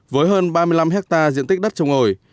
với hơn ba mươi năm hectare diện tích đất trồng ổi